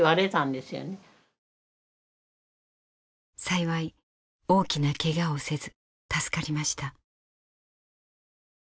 幸い大きなケガをせず助かりました。